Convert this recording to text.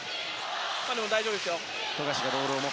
でも、大丈夫ですよ。